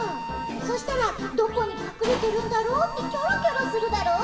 そしたらどこにかくれてるんだろうってキョロキョロするだろ？